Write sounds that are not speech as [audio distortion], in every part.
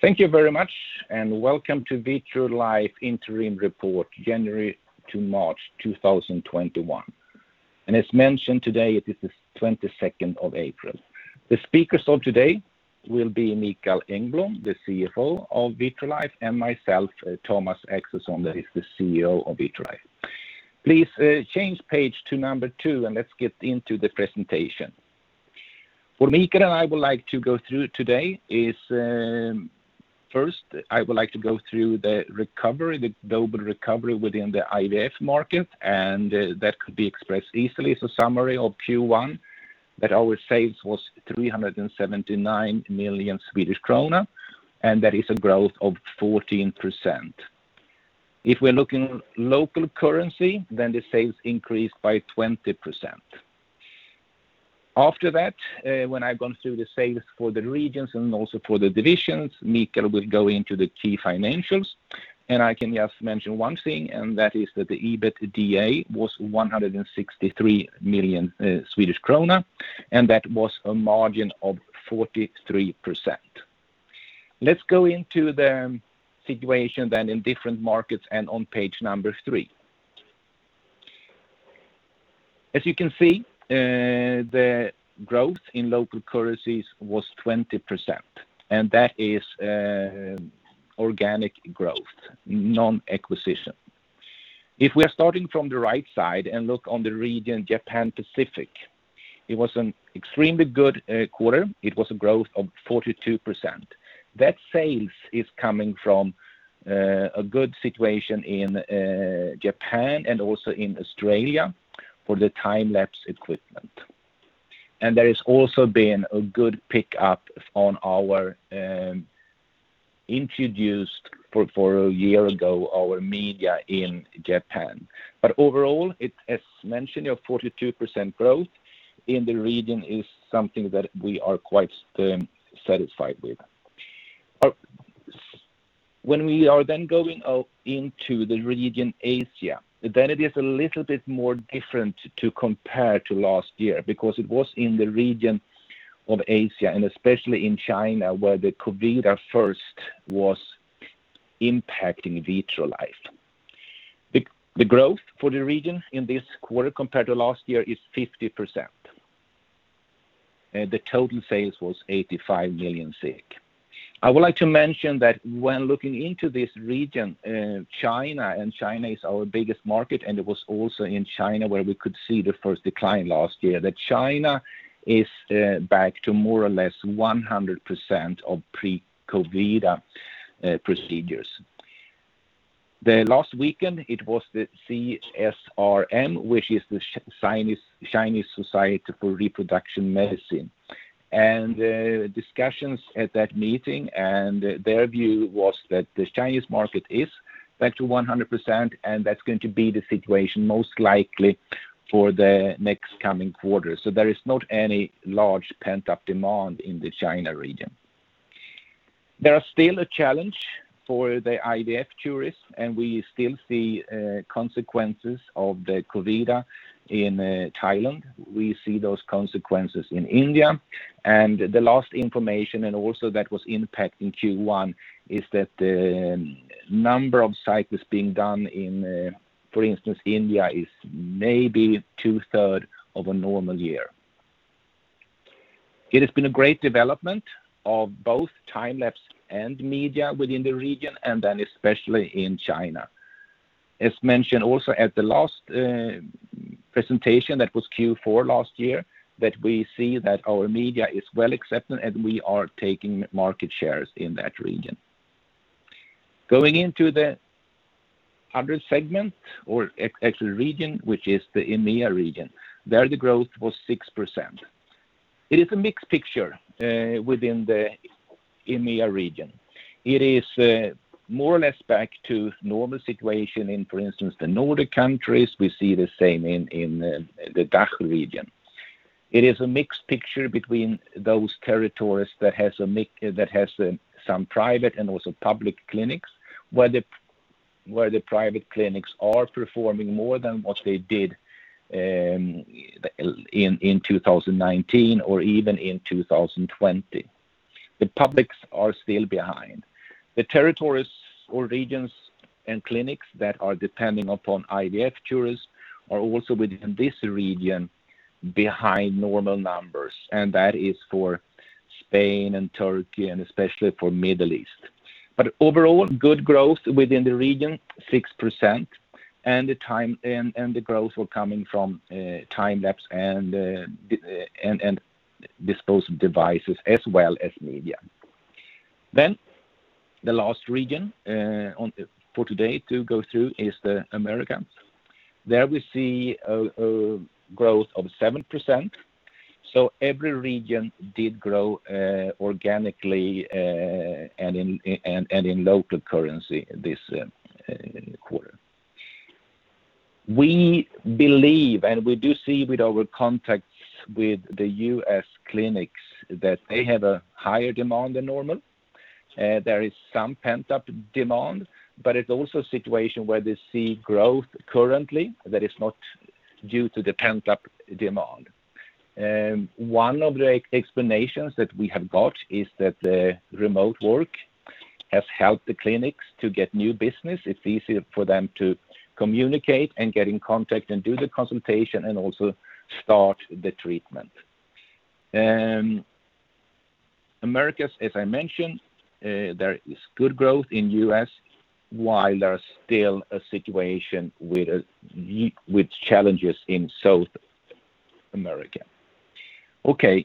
Thank you very much, welcome to Vitrolife Interim Report, January to March 2021. As mentioned today, it is the 22nd of April. The speakers of today will be Mikael Engblom, the CFO of Vitrolife, and myself, Thomas Axelsson, that is the CEO of Vitrolife. Please change page to number two, and let's get into the presentation. What Mikael and I would like to go through today is, first, I would like to go through the global recovery within the IVF market, and that could be expressed easily as a summary of Q1, that our sales was 379 million Swedish krona, and that is a growth of 14%. If we're looking local currency, the sales increased by 20%. After that, when I've gone through the sales for the regions and also for the divisions, Mikael will go into the key financials. I can just mention one thing, and that is that the EBITDA was 163 million Swedish krona, and that was a margin of 43%. Let's go into the situation in different markets and on page three. As you can see, the growth in local currencies was 20%, and that is organic growth, non-acquisition. If we are starting from the right side and look on the region, Japan Pacific, it was an extremely good quarter. It was a growth of 42%. That sales is coming from a good situation in Japan and also in Australia for the Time-lapse equipment. There has also been a good pick-up on our introduced, for a year ago, our media in Japan. Overall, as mentioned, a 42% growth in the region is something that we are quite satisfied with. When we are then going into the region Asia, then it is a little bit more different to compare to last year because it was in the region of Asia, and especially in China, where the COVID at first was impacting Vitrolife. The growth for the region in this quarter compared to last year is 50%. The total sales was 85 million. I would like to mention that when looking into this region, China, and China is our biggest market, and it was also in China where we could see the first decline last year, that China is back to more or less 100% of pre-COVID procedures. The last weekend, it was the CSRM, which is the Chinese Society of Reproductive Medicine. Discussions at that meeting and their view was that the Chinese market is back to 100%, and that's going to be the situation most likely for the next coming quarters. There is not any large pent-up demand in the China region. There are still a challenge for the IVF tourists, and we still see consequences of the COVID in Thailand. We see those consequences in India. The last information, and also that was impacting Q1, is that the number of cycles being done in, for instance, India is maybe two-thirds of a normal year. It has been a great development of both Time-lapse and media within the region, and then especially in China. As mentioned also at the last presentation, that was Q4 last year, that we see that our media is well accepted and we are taking market shares in that region. Going into the other segment or actually region, which is the EMEA region. There, the growth was 6%. It is a mixed picture within the EMEA region. It is more or less back to normal situation in, for instance, the Nordic countries. We see the same in the DACH region. It is a mixed picture between those territories that has some private and also public clinics, where the private clinics are performing more than what they did in 2019 or even in 2020. The publics are still behind. The territories or regions and clinics that are depending upon IVF tourists are also within this region behind normal numbers, and that is for Spain and Turkey, and especially for Middle East. Overall, good growth within the region, 6%, and the growth will coming from Time-lapse and disposable devices as well as media. The last region for today to go through is the Americas. There we see a growth of 7%. Every region did grow organically and in local currency this quarter. We believe, and we do see with our contacts with the U.S. clinics, that they have a higher demand than normal. There is some pent-up demand, but it's also a situation where they see growth currently that is not due to the pent-up demand. One of the explanations that we have got is that the remote work has helped the clinics to get new business. It's easier for them to communicate and get in contact and do the consultation, and also start the treatment. Americas, as I mentioned, there is good growth in the U.S., while there is still a situation with challenges in South America. Okay.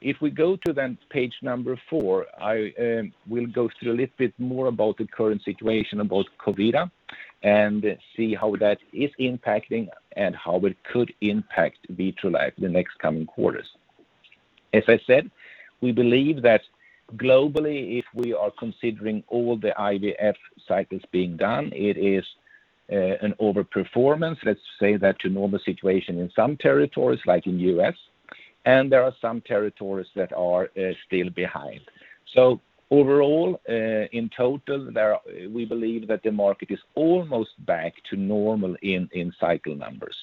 If we go to page number four, I will go through a little bit more about the current situation about COVID and see how that is impacting and how it could impact Vitrolife in the next coming quarters. As I said, we believe that globally, if we are considering all the IVF cycles being done, it is an over-performance, let's say that, to normal situation in some territories, like in the U.S., and there are some territories that are still behind. Overall, in total, we believe that the market is almost back to normal in cycle numbers.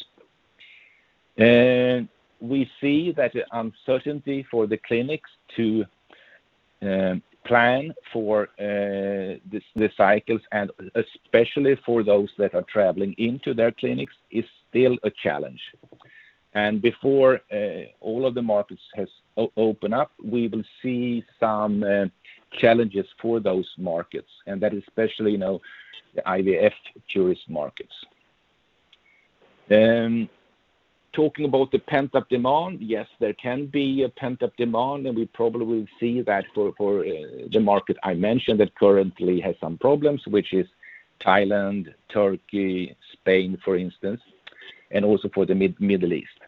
We see that the uncertainty for the clinics to plan for the cycles, and especially for those that are traveling into their clinics, is still a challenge. Before all of the markets have opened up, we will see some challenges for those markets, and that is especially the IVF tourist markets. Talking about the pent-up demand, yes, there can be a pent-up demand, and we probably will see that for the market I mentioned that currently has some problems, which is Thailand, Turkey, Spain, for instance, and also for the Middle East.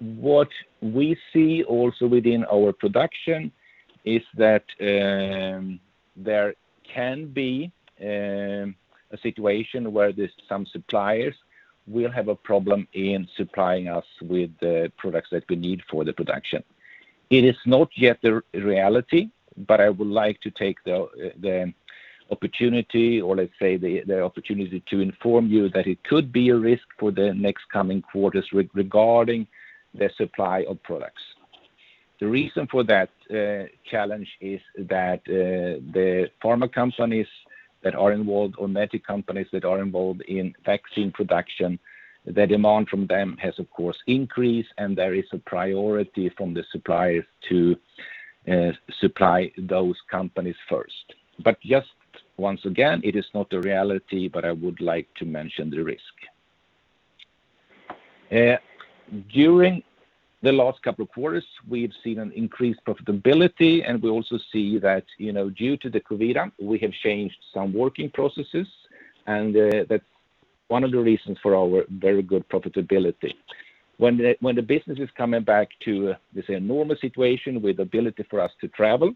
What we see also within our production is that there can be a situation where some suppliers will have a problem in supplying us with the products that we need for the production. It is not yet the reality. I would like to take the opportunity to inform you that it could be a risk for the next coming quarters regarding the supply of products. The reason for that challenge is that the pharma companies that are involved, or medic companies that are involved in vaccine production, the demand from them has, of course, increased, and there is a priority from the suppliers to supply those companies first. Just once again, it is not the reality, but I would like to mention the risk. During the last couple of quarters, we've seen an increased profitability, and we also see that due to the COVID, we have changed some working processes, and that's one of the reasons for our very good profitability. When the business is coming back to this normal situation with ability for us to travel,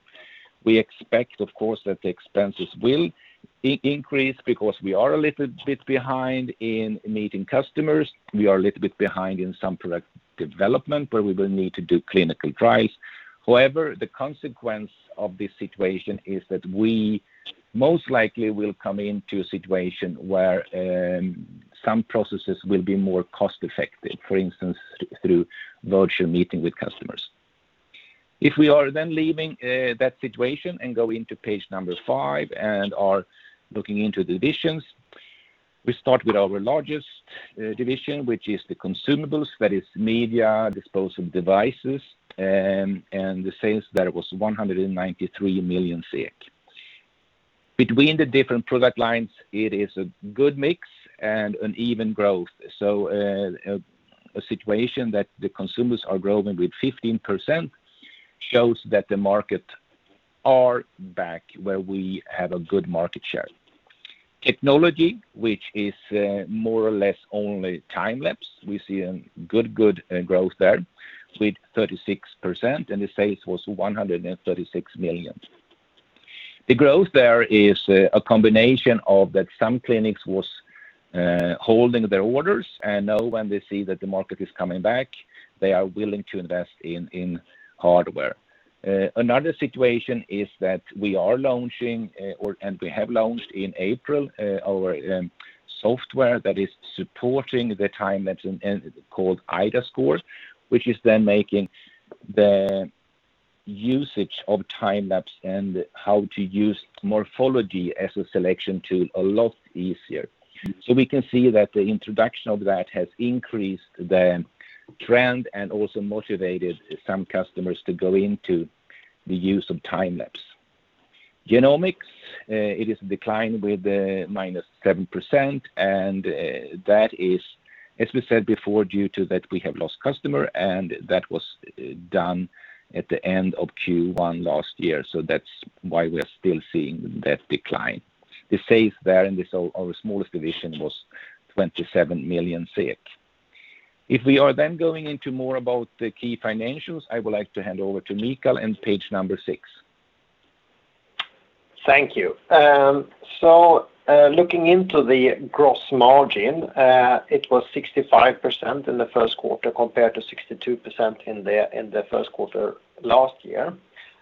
we expect, of course, that the expenses will increase because we are a little bit behind in meeting customers. We are a little bit behind in some product development where we will need to do clinical trials. The consequence of this situation is that we most likely will come into a situation where some processes will be more cost-effective, for instance, through virtual meeting with customers. If we are leaving that situation and go into page number five and are looking into divisions, we start with our largest division, which is the Consumables. That is media, disposable devices, the sales there was 193 million SEK. Between the different product lines, it is a good mix and an even growth. A situation that the Consumables are growing with 15% shows that the market are back where we have a good market share. Technologies, which is more or less only Time-lapse. We see a good growth there with 36%, the sales was 136 million. The growth there is a combination of that some clinics was holding their orders, now when they see that the market is coming back, they are willing to invest in hardware. Another situation is that we are launching, and we have launched in April, our software that is supporting the Time-lapse called iDAScore, which is then making the usage of Time-lapse and how to use morphology as a selection tool a lot easier. We can see that the introduction of that has increased the trend and also motivated some customers to go into the use of Time-lapse. Genomics, it is declined with minus 7%, that is, as we said before, due to that we have lost customer and that was done at the end of Q1 last year. That's why we are still seeing that decline. The sales there in our smallest division was 27 million. We are then going into more about the key financials, I would like to hand over to Mikael in page number six. Thank you. Looking into the gross margin, it was 65% in the first quarter, compared to 62% in the first quarter last year.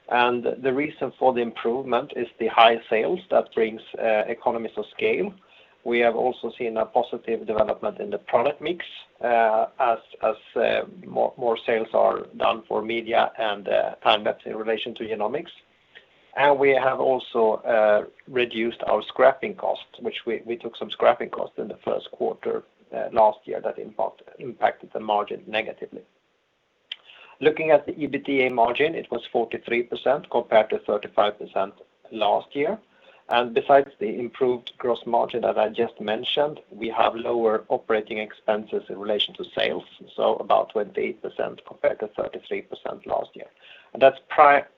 The reason for the improvement is the high sales that brings economies of scale. We have also seen a positive development in the product mix as more sales are done for media and time-lapse in relation to genomics. We have also reduced our scrapping costs. We took some scrapping costs in the first quarter last year that impacted the margin negatively. Looking at the EBITDA margin, it was 43% compared to 35% last year. Besides the improved gross margin that I just mentioned, we have lower operating expenses in relation to sales, so about 28% compared to 33% last year. That's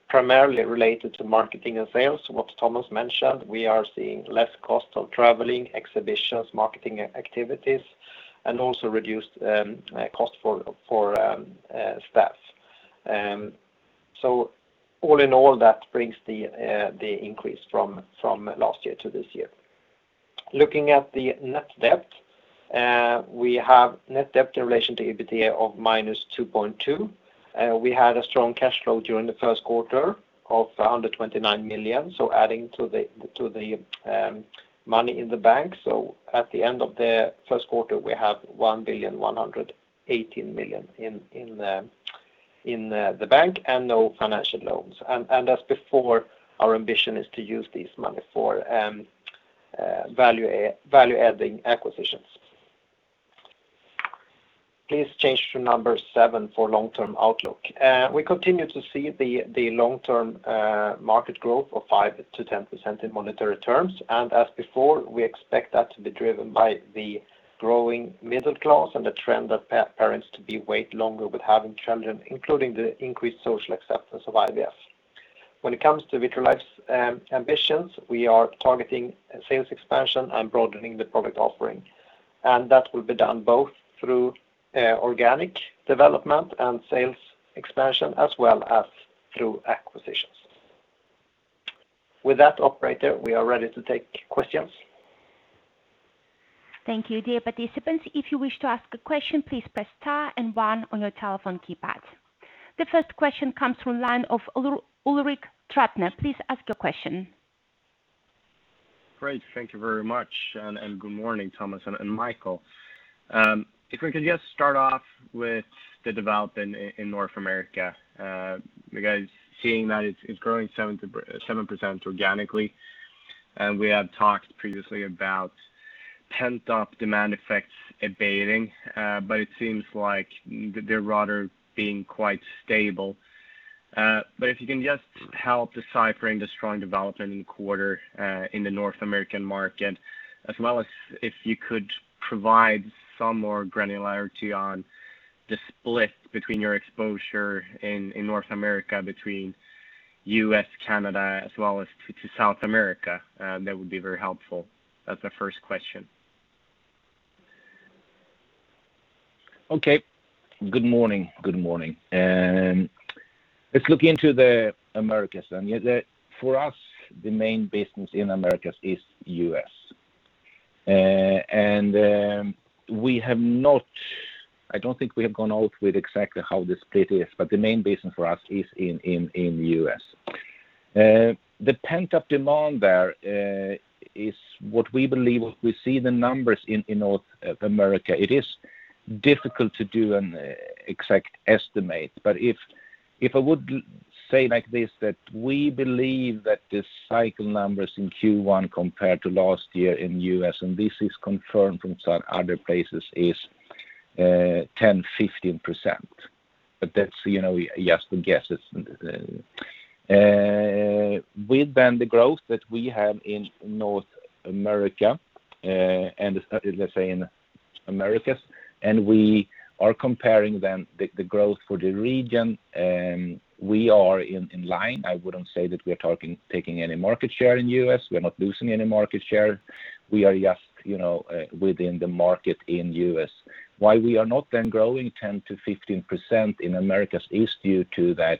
primarily related to marketing and sales. What Thomas mentioned, we are seeing less cost of traveling, exhibitions, marketing activities, and also reduced cost for staff. All in all, that brings the increase from last year to this year. Looking at the net debt, we have net debt in relation to EBITDA of -2.2. We had a strong cash flow during the first quarter of 129 million, adding to the money in the bank. At the end of the first quarter, we have 1,118 million in the bank and no financial loans. As before, our ambition is to use this money for value-adding acquisitions. Please change to number seven for long-term outlook. We continue to see the long-term market growth of 5%-10% in monetary terms. As before, we expect that to be driven by the growing middle class and the trend of parents to wait longer with having children, including the increased social acceptance of IVF. When it comes to Vitrolife's ambitions, we are targeting sales expansion and broadening the product offering, and that will be done both through organic development and sales expansion as well as through acquisitions. With that, operator, we are ready to take questions. Thank you. Dear participants, if you wish to ask a question, please press star and one on your telephone keypad. The first question comes from line of Ulrik Trattner. Please ask your question. Great. Thank you very much, and good morning, Thomas and Mikael. If we could just start off with the development in North America because seeing that it's growing 7% organically, and we have talked previously about pent-up demand effects abating, but it seems like they're rather being quite stable. If you can just help deciphering the strong development in quarter in the North American market as well as if you could provide some more granularity on the split between your exposure in North America, between U.S., Canada, as well as to South America, that would be very helpful. That's the first question. Okay. Good morning. Let's look into the Americas. For us, the main business in Americas is U.S. I don't think we have gone out with exactly how the split is, the main business for us is in U.S. The pent-up demand there is what we believe, we see the numbers in North America. It is difficult to do an exact estimate. If I would say like this, that we believe that the cycle numbers in Q1 compared to last year in U.S., and this is confirmed from some other places, is 10%-15%. That's just the guesses. With then the growth that we have in North America, let's say in Americas, we are comparing then the growth for the region, we are in line. I wouldn't say that we are taking any market share in U.S. We're not losing any market share. We are just within the market in U.S. We are not then growing 10%-15% in Americas is due to that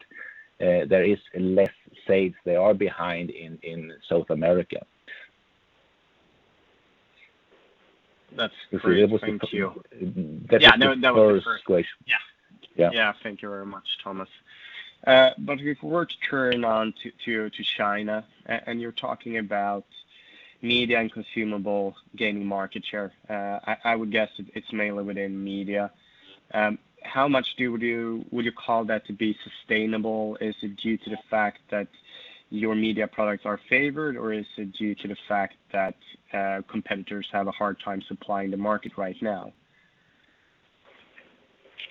there is less sales. They are behind in South America. That's great. Thank you. If you're able to- Yeah, no. That was great. [audio distortion] Yeah. Yeah. Thank you very much, Thomas. If we were to turn on to China, you're talking about media and consumable gaining market share, I would guess it's mainly within media. How much would you call that to be sustainable? Is it due to the fact that your media products are favored, or is it due to the fact that competitors have a hard time supplying the market right now?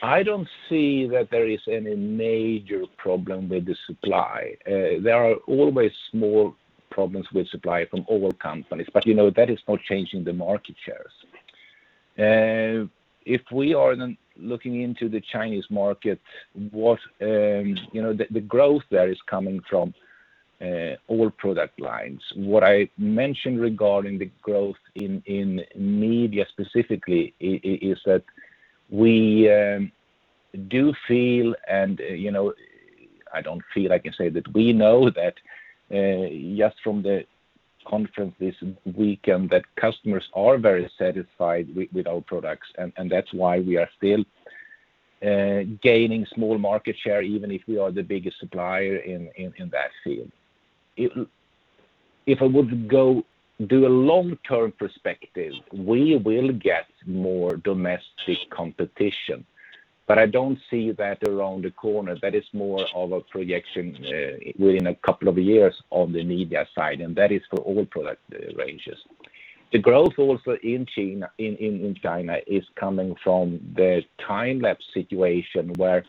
I don't see that there is any major problem with the supply. There are always small problems with supply from all companies, that is not changing the market shares. If we are looking into the Chinese market, the growth there is coming from all product lines. What I mentioned regarding the growth in media specifically, is that I do feel, I can say that we know that just from the conference this weekend, that customers are very satisfied with our products, that's why we are still gaining small market share, even if we are the biggest supplier in that field. If I would go do a long-term perspective, we will get more domestic competition, I don't see that around the corner. That is more of a projection within a couple of years on the media side, that is for all product ranges. The growth also in China is coming from the Time-lapse situation where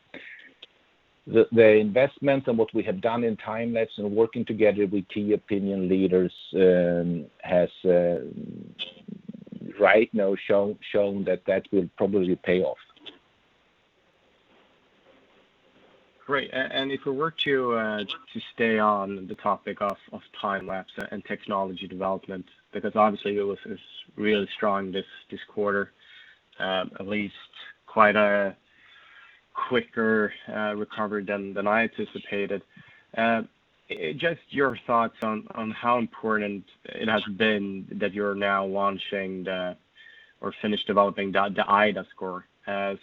the investment and what we have done in Time-lapse and working together with key opinion leaders has, right now, shown that will probably pay off. Great. If we were to stay on the topic of Time-lapse and technology development, because obviously it was really strong this quarter, at least quite a quicker recovery than I anticipated. Just your thoughts on how important it has been that you're now launching the, or finished developing the iDAScore,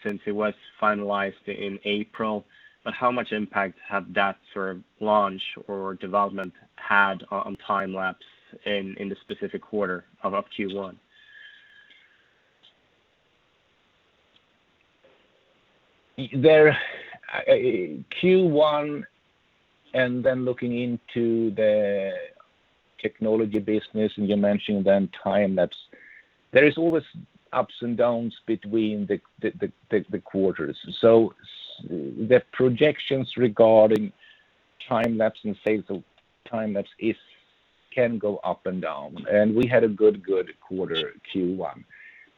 since it was finalized in April. How much impact has that launch or development had on Time-lapse in the specific quarter of Q1? Q1, looking into the technology business, you mentioned Time-lapse, there is always ups and downs between the quarters. The projections regarding Time-lapse and sales of Time-lapse can go up and down. We had a good quarter Q1.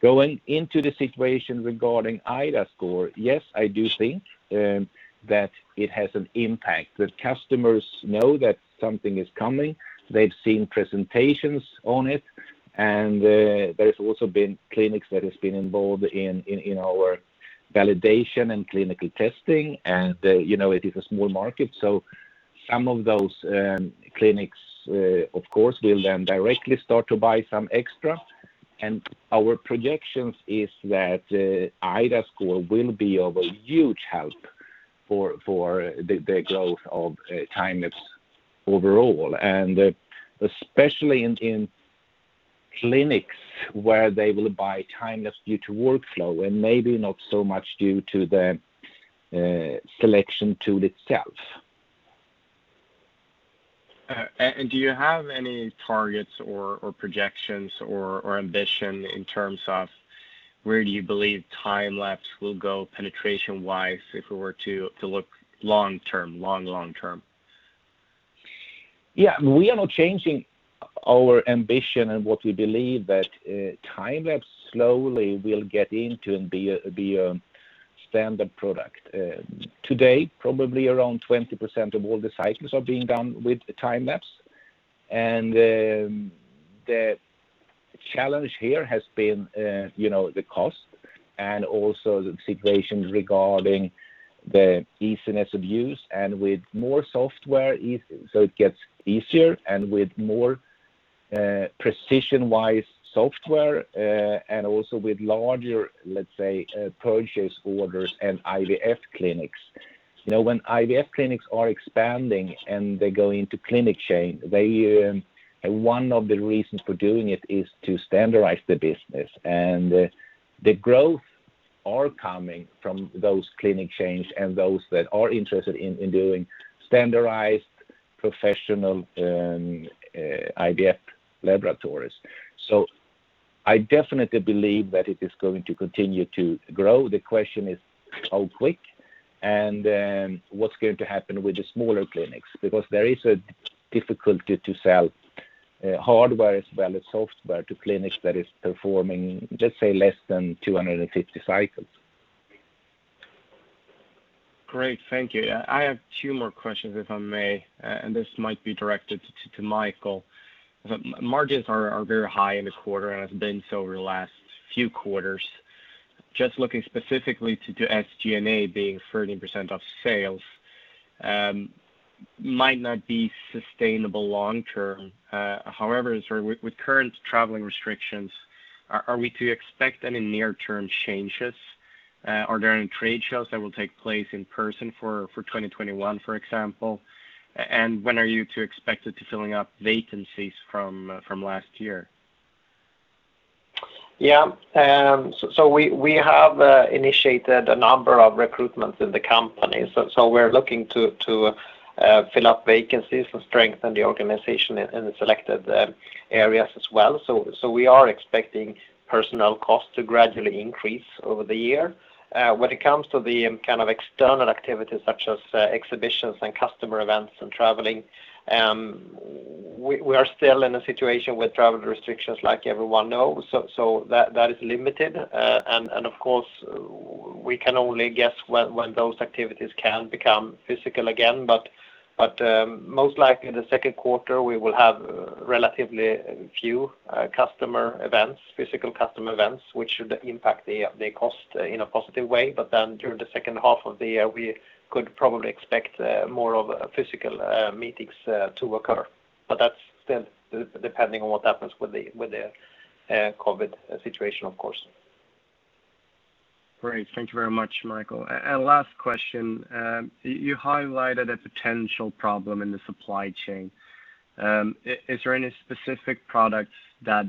Going into the situation regarding iDAScore, yes, I do think that it has an impact, that customers know that something is coming. They've seen presentations on it, and there's also been clinics that have been involved in our validation and clinical testing, and it is a small market, so some of those clinics, of course, will then directly start to buy some extra. Our projections is that iDAScore will be of a huge help for the growth of Time-lapse overall, and especially in clinics where they will buy Time-lapse due to workflow and maybe not so much due to the selection tool itself. Do you have any targets or projections or ambition in terms of where do you believe Time-lapse will go penetration-wise if we were to look long term? Yeah. We are not changing our ambition and what we believe that Time-lapse slowly will get into and be a standard product. Today, probably around 20% of all the cycles are being done with Time-lapse. The challenge here has been the cost and also the situation regarding the ease and ease of use, and with more software, so it gets easier and with more precision-wise software, and also with larger, let's say, purchase orders and IVF clinics. When IVF clinics are expanding and they go into clinic chain, one of the reasons for doing it is to standardize the business. The growth are coming from those clinic chains and those that are interested in doing standardized professional IVF laboratories. I definitely believe that it is going to continue to grow. The question is how quick, and then what's going to happen with the smaller clinics? There is a difficulty to sell hardware as well as software to clinics that is performing, let's say, less than 250 cycles. Great. Thank you. I have two more questions, if I may, this might be directed to Mikael. Margins are very high in the quarter and have been so over the last few quarters. Just looking specifically to, SG&A being 30% of sales, might not be sustainable long term. However, with current traveling restrictions, are we to expect any near-term changes? Are there any trade shows that will take place in person for 2021, for example, when are you to expected to filling up vacancies from last year? Yeah. We have initiated a number of recruitments in the company. We're looking to fill up vacancies and strengthen the organization in the selected areas as well. We are expecting personnel costs to gradually increase over the year. When it comes to the kind of external activities such as exhibitions and customer events and traveling, we are still in a situation with travel restrictions like everyone knows. That is limited. Of course, we can only guess when those activities can become physical again. Most likely in the second quarter, we will have relatively few physical customer events, which should impact the cost in a positive way. Then during the second half of the year, we could probably expect more of physical meetings to occur. That's still depending on what happens with the COVID situation, of course. Great. Thank you very much, Mikael. Last question. You highlighted a potential problem in the supply chain. Is there any specific products that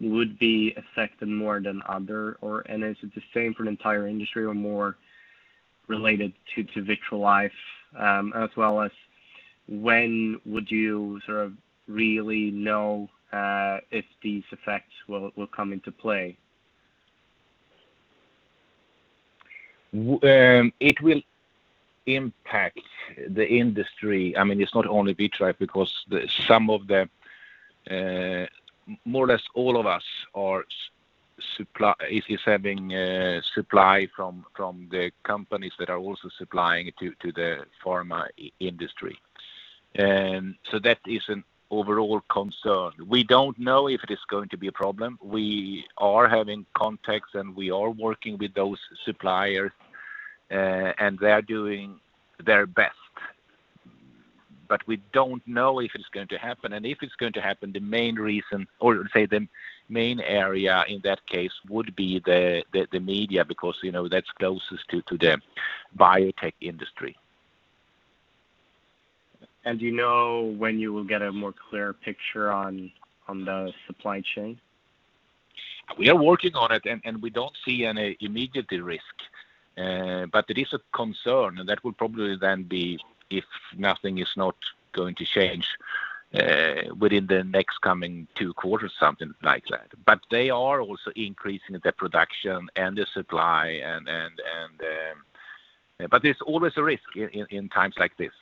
would be affected more than others, and is it the same for the entire industry or more related to Vitrolife? As well as when would you really know if these effects will come into play? It will impact the industry. It is not only Vitrolife, because more or less all of us is having supply from the companies that are also supplying to the pharma industry. That is an overall concern. We don't know if it is going to be a problem. We are having contacts and we are working with those suppliers, and they are doing their best. We don't know if it's going to happen. If it's going to happen, the main area in that case would be the media, because that's closest to the biotech industry. Do you know when you will get a more clear picture on the supply chain? We are working on it. We don't see any immediate risk. It is a concern. That would probably then be if nothing is not going to change within the next coming two quarters, something like that. They are also increasing their production and the supply. There's always a risk in times like this.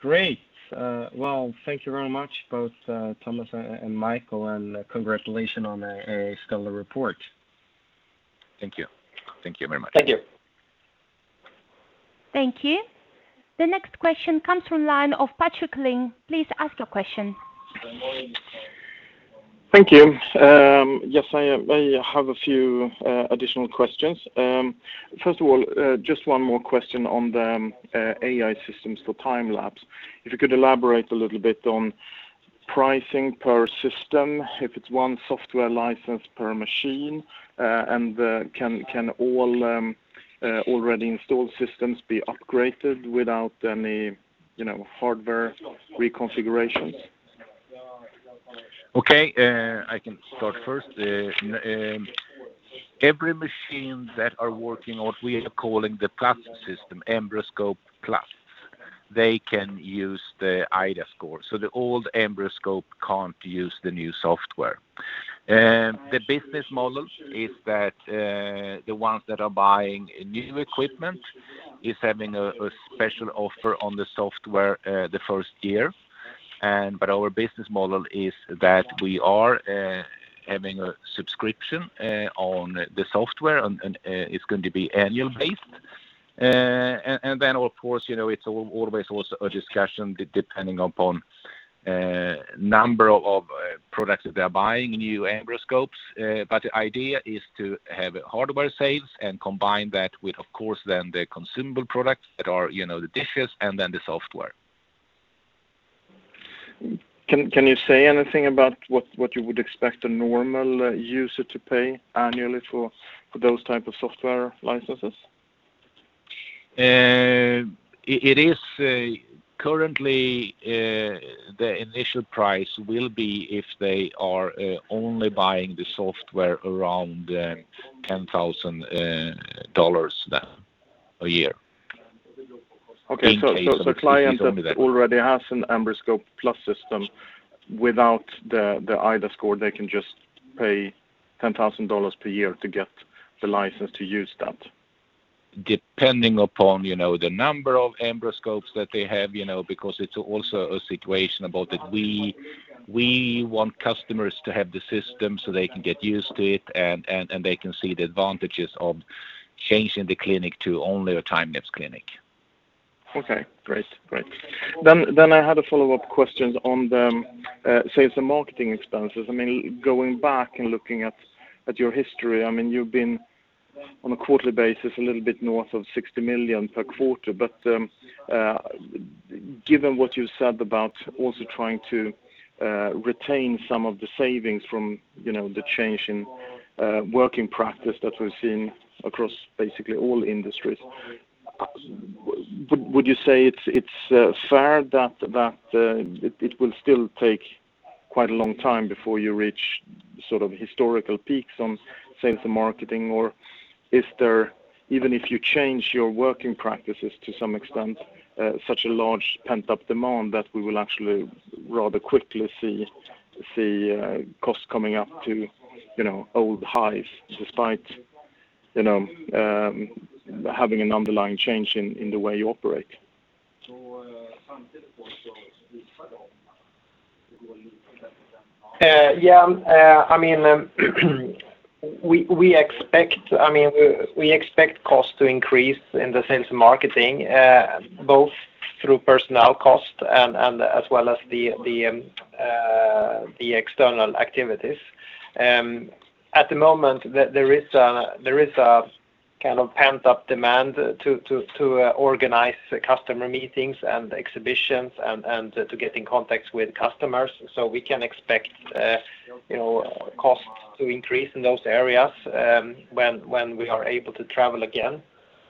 Great. Well, thank you very much, both Thomas and Mikael, and congratulations on a stellar report. Thank you. Thank you very much. Thank you. Thank you. The next question comes from line of Patrik Ling. Please ask your question. Thank you. Yes, I have a few additional questions. First of all, just one more question on the AI systems for Time-lapse. If you could elaborate a little bit on pricing per system, if it's one software license per machine, and can all already installed systems be upgraded without any hardware reconfigurations? Okay. I can start first. Every machine that are working what we are calling the Plus system, EmbryoScope+, they can use the iDAScore. The old EmbryoScope can't use the new software. The business model is that the ones that are buying new equipment is having a special offer on the software the first year. Our business model is that we are having a subscription on the software, and it's going to be annual based. Of course, it's always also a discussion depending upon number of products that they're buying, new EmbryoScopes. The idea is to have hardware sales and combine that with, of course, then the consumable products that are the dishes and then the software. Can you say anything about what you would expect a normal user to pay annually for those type of software licenses? Currently, the initial price will be if they are only buying the software around $10,000 a year. Okay. A client that already has an EmbryoScope+ system without the iDAScore, they can just pay $10,000 per year to get the license to use that. Depending upon the number of EmbryoScopes that they have, because it's also a situation about that we want customers to have the system so they can get used to it, and they can see the advantages of changing the clinic to only a Time-lapse clinic. Okay, great. I had a follow-up question on the sales and marketing expenses. Going back and looking at your history, you've been on a quarterly basis, a little bit north of 60 million per quarter. Given what you said about also trying to retain some of the savings from the change in working practice that we've seen across basically all industries, would you say it's fair that it will still take quite a long time before you reach historical peaks on sales and marketing? Even if you change your working practices to some extent, such a large pent-up demand that we will actually rather quickly see costs coming up to old highs, despite having an underlying change in the way you operate? Yeah. We expect costs to increase in the sales and marketing, both through personnel costs as well as the external activities. At the moment, there is a pent-up demand to organize customer meetings and exhibitions and to get in contact with customers. We can expect costs to increase in those areas when we are able to travel again.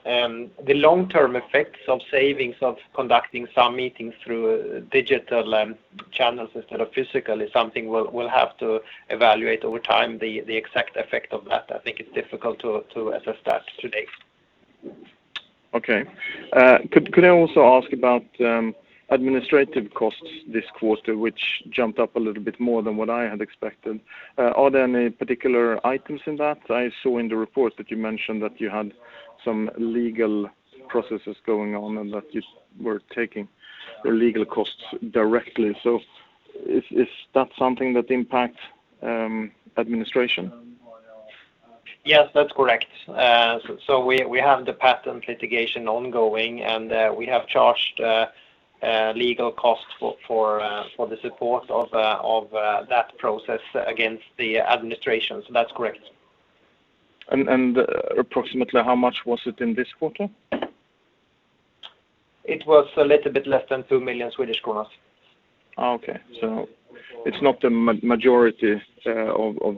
The long-term effects of savings of conducting some meetings through digital channels instead of physically, something we will have to evaluate over time. The exact effect of that, I think it is difficult to assess that today. Okay. Could I also ask about administrative costs this quarter, which jumped up a little bit more than what I had expected. Are there any particular items in that? I saw in the report that you mentioned that you had some legal processes going on and that you were taking the legal costs directly. Is that something that impacts administration? Yes, that's correct. We have the patent litigation ongoing, and we have charged legal costs for the support of that process against the administration. That's correct. Approximately how much was it in this quarter? It was a little bit less than 2 million Swedish kronor. Okay. It's not the majority of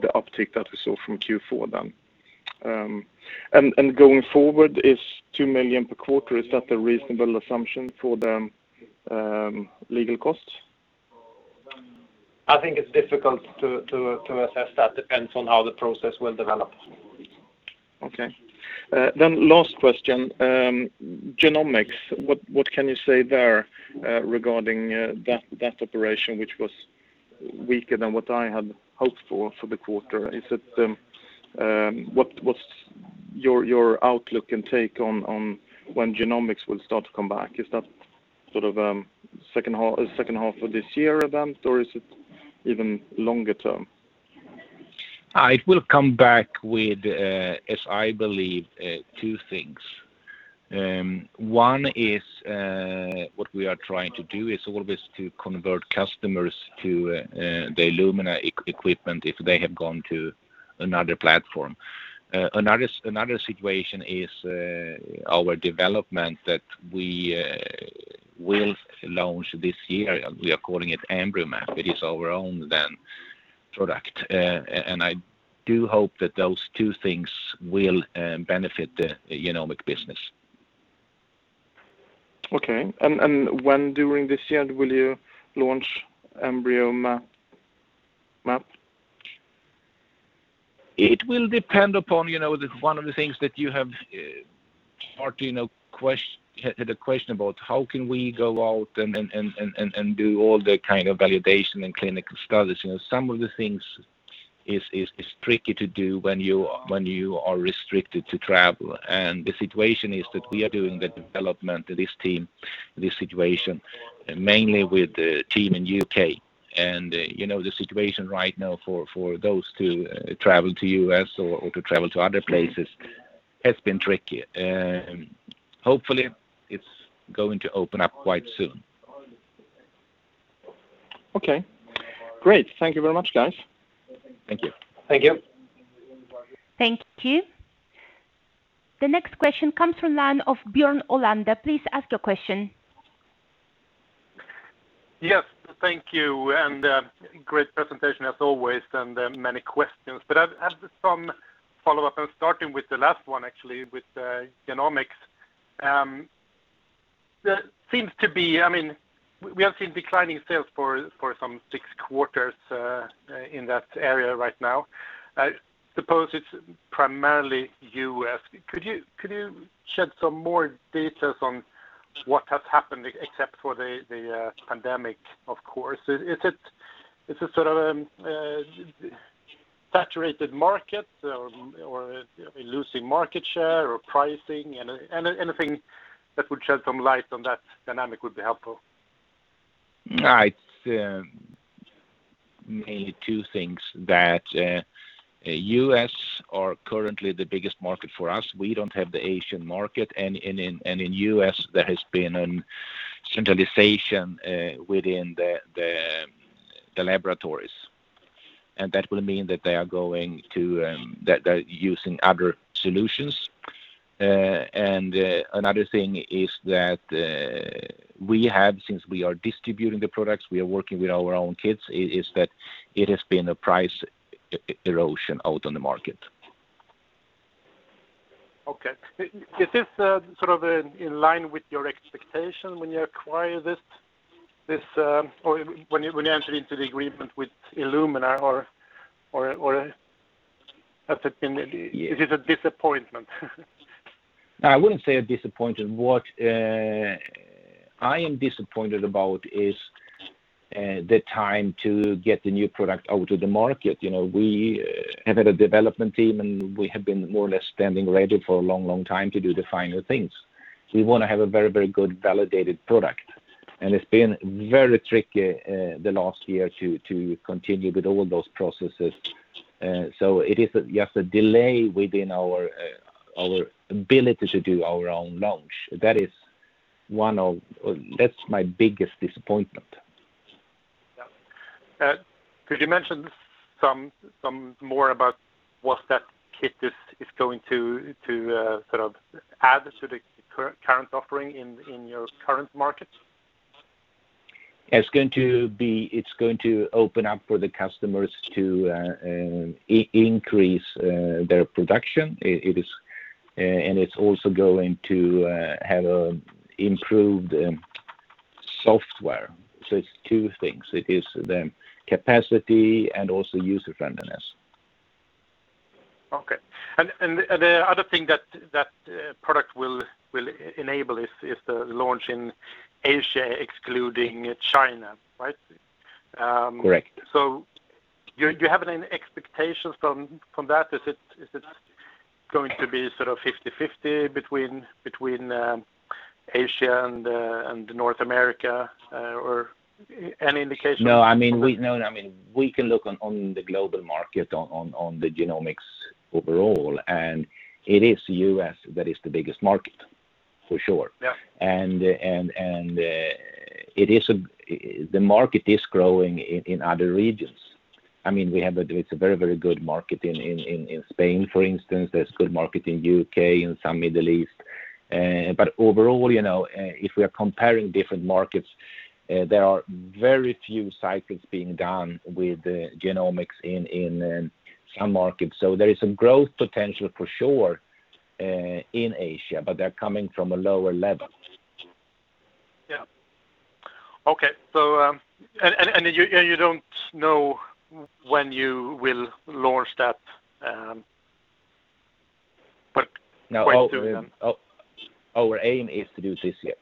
the uptick that we saw from Q4 then. Going forward, is 2 million per quarter, is that a reasonable assumption for the legal costs? I think it's difficult to assess that. Depends on how the process will develop. Okay. Last question. Genomics, what can you say there, regarding that operation, which was weaker than what I had hoped for the quarter? What's your outlook and take on when Genomics will start to come back? Is that second half of this year then, or is it even longer term? It will come back with, as I believe, two things. One is what we are trying to do is always to convert customers to the Illumina equipment if they have gone to another platform. Another situation is our development that we will launch this year. We are calling it EmbryoMap. It is our own then product. I do hope that those two things will benefit the genomic business. Okay. When during this year will you launch EmbryoMap? It will depend upon one of the things that you have had a question about, how can we go out and do all the kind of validation and clinical studies. Some of the things is tricky to do when you are restricted to travel. The situation is that we are doing the development, this team, this situation, mainly with the team in U.K. The situation right now for those to travel to U.S. or to travel to other places has been tricky. Hopefully, it's going to open up quite soon. Okay, great. Thank you very much, guys. Thank you. Thank you. Thank you. The next question comes from line of Björn Olander. Please ask your question. Yes, thank you, great presentation as always, and many questions. I have some follow-up, and starting with the last one actually, with genomics. We have seen declining sales for some six quarters in that area right now. I suppose it's primarily U.S. Could you shed some more details on what has happened except for the pandemic, of course? Is it sort of a saturated market or are we losing market share or pricing? Anything that would shed some light on that dynamic would be helpful. It's mainly two things, that U.S. are currently the biggest market for us. We don't have the Asian market. In U.S. there has been a centralization within the laboratories. That will mean that they're using other solutions. Another thing is that since we are distributing the products, we are working with our own kits, is that it has been a price erosion out on the market. Okay. Is this sort of in line with your expectation when you entered into the agreement with Illumina, or is it a disappointment? No, I wouldn't say a disappointment. What I am disappointed about is the time to get the new product out to the market. We have had a development team, and we have been more or less standing ready for a long, long time to do the final things. We want to have a very good validated product, and it's been very tricky the last year to continue with all those processes. It is just a delay within our ability to do our own launch. That's my biggest disappointment. Yeah. Could you mention some more about what that kit is going to add to the current offering in your current markets? It's going to open up for the customers to increase their production. It's also going to have improved software. It's two things. It is the capacity and also user-friendliness. Okay. The other thing that product will enable is the launch in Asia excluding China, right? Correct. Do you have any expectations from that? Is it going to be 50/50 between Asia and North America? Any indication? No, we can look on the global market, on the Genomics overall, and it is the U.S. that is the biggest market, for sure. Yeah. The market is growing in other regions. It's a very good market in Spain, for instance. There's good market in U.K., in some Middle East. Overall, if we are comparing different markets, there are very few cycles being done with genomics in some markets. There is a growth potential for sure, in Asia, but they're coming from a lower level. Yeah. Okay. You don't know when you will launch that? No. When doing that? Our aim is to do it this year.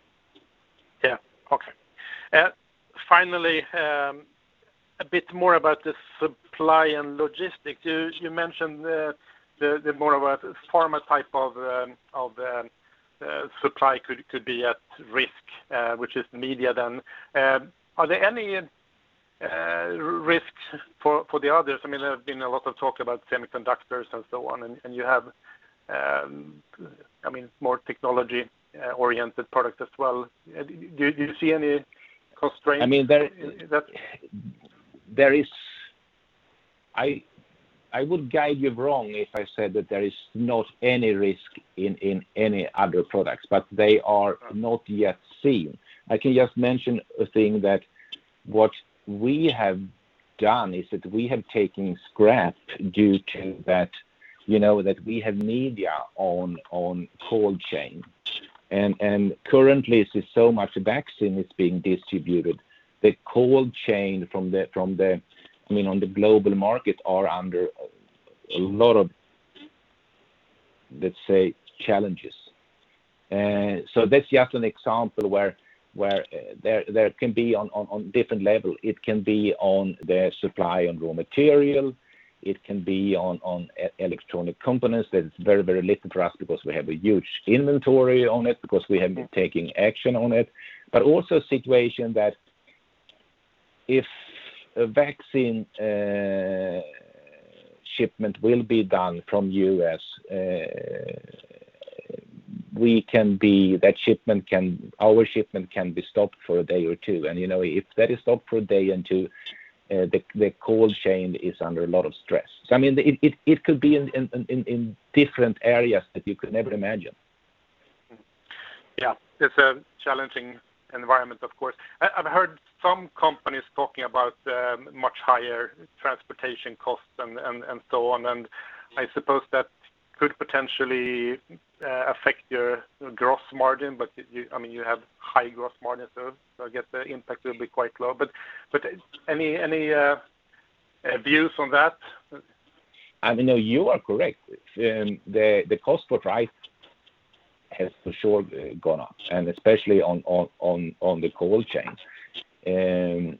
Yeah. Okay. Finally, a bit more about the supply and logistics. You mentioned the more of a pharma type of supply could be at risk, which is media then. Are there any risks for the others? There have been a lot of talk about semiconductors and so on, and you have more technology-oriented products as well. Do you see any constraints? I would guide you wrong if I said that there is not any risk in any other products, but they are not yet seen. I can just mention a thing that what we have done is that we have taken scrap due to that we have media on cold chain. Currently, since so much vaccine is being distributed, the cold chain on the global market are under a lot of, let's say, challenges. That's just an example where there can be on different level. It can be on the supply and raw material. It can be on electronic components. That's very little for us because we have a huge inventory on it, because we have been taking action on it. Also a situation that if a vaccine shipment will be done from U.S., our shipment can be stopped for a day or two. If that is stopped for a day or two, the cold chain is under a lot of stress. It could be in different areas that you could never imagine. Yeah. It's a challenging environment, of course. I've heard some companies talking about much higher transportation costs and so on. I suppose that could potentially affect your gross margin. You have high gross margin. I guess the impact will be quite low. Any views on that? You are correct. The cost for price has for sure gone up, and especially on the cold chain.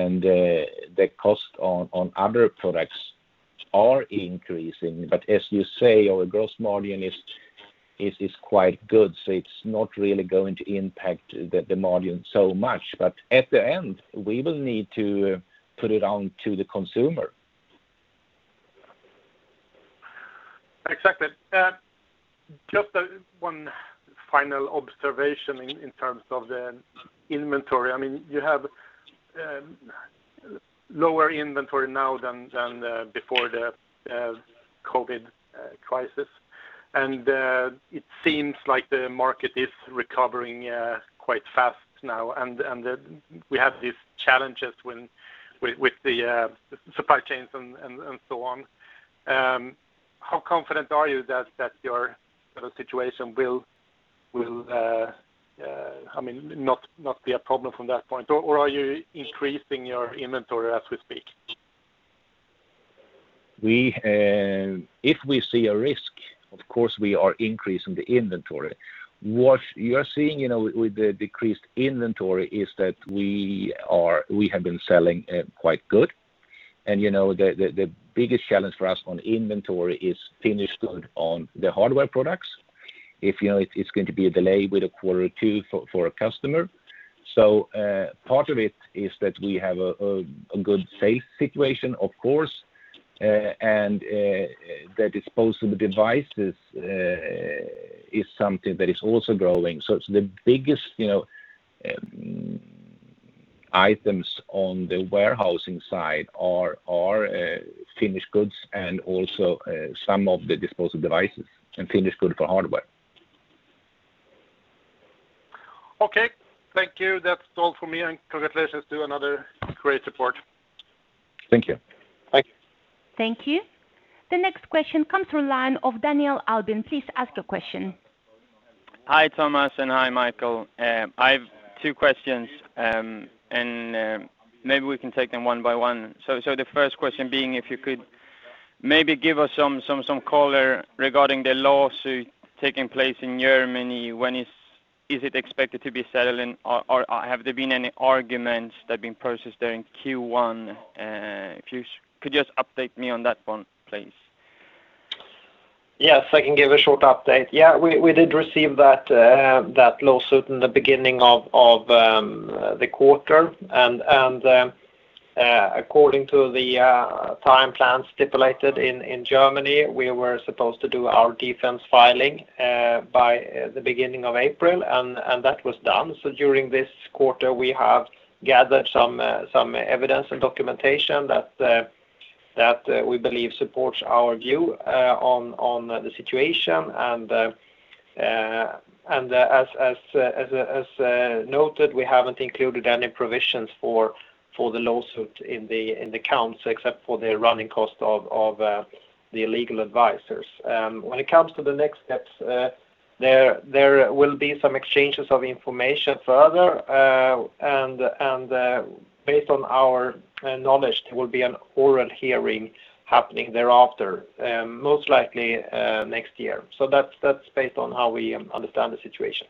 The cost on other products are increasing. As you say, our gross margin is quite good, it's not really going to impact the margin so much. At the end, we will need to put it on to the consumer. Exactly. Just one final observation in terms of the inventory. You have lower inventory now than before the COVID crisis. It seems like the market is recovering quite fast now, and we have these challenges with the supply chains and so on. How confident are you that your situation will not be a problem from that point? Or are you increasing your inventory as we speak? If we see a risk, of course, we are increasing the inventory. What you are seeing with the decreased inventory is that we have been selling quite good. The biggest challenge for us on inventory is finished good on the hardware products. If it's going to be a delay with a quarter or two for a customer. Part of it is that we have a good safe situation, of course, and the disposable devices is something that is also growing. It's the biggest items on the warehousing side are finished goods and also some of the disposable devices and finished good for hardware. Okay. Thank you. That's all from me and congratulations to another great report. Thank you. Thank you. Thank you. The next question comes through line of Daniel Albin. Please ask your question. Hi, Thomas Axelsson, and hi, Mikael. I've two questions, and maybe we can take them one by one. The first question being, if you could maybe give us some color regarding the lawsuit taking place in Germany. When is it expected to be settled and have there been any arguments that have been processed there in Q1? If you could just update me on that one, please. Yes, I can give a short update. We did receive that lawsuit in the beginning of the quarter, and according to the time plan stipulated in Germany, we were supposed to do our defense filing by the beginning of April and that was done. During this quarter, we have gathered some evidence and documentation that we believe supports our view on the situation and as noted, we haven't included any provisions for the lawsuit in the accounts except for the running cost of the legal advisors. When it comes to the next steps, there will be some exchanges of information further. Based on our knowledge, there will be an oral hearing happening thereafter, most likely next year. That's based on how we understand the situation.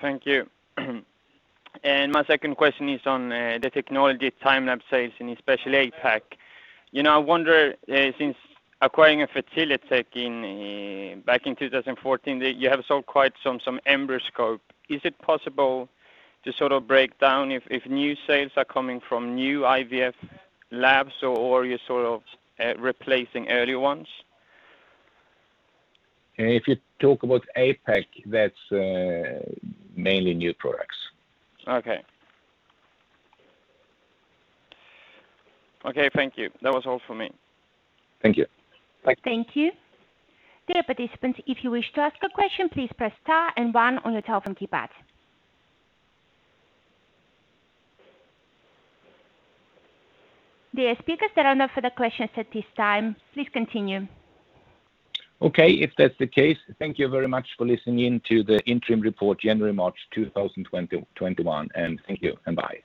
Thank you. My second question is on the Technologies Time-lapse sales and especially APAC. I wonder since acquiring FertiliTech back in 2014 that you have sold quite some EmbryoScope. Is it possible to sort of break down if new sales are coming from new IVF labs or you're sort of replacing earlier ones? If you talk about APAC, that's mainly new products. Okay. Okay. Thank you. That was all for me. Thank you. Thank you. Thank you. Dear participants, if you wish to ask a question, please press star and one on your telephone keypad. Dear speakers, there are no further questions at this time. Please continue. Okay. If that's the case, thank you very much for listening in to the interim report January, March 2021. Thank you and bye.